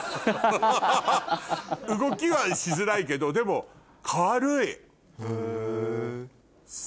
動きはしづらいけどでも軽い。